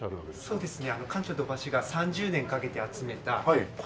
そうですね。